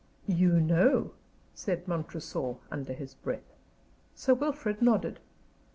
"You know?" said Montresor, under his breath. Sir Wilfrid nodded.